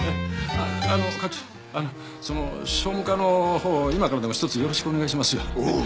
あの課長その庶務課のほう今からでもひとつよろしくお願いしますよおう！